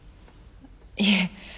いえ。